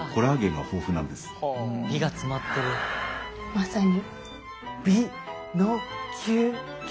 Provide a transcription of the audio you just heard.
まさに。